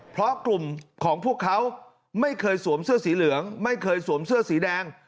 เพราะกลุ่มของพวกเขาไม่เคยสวมเสื้อสีเหลืองไม่เคยสวมเสื้อสีแดง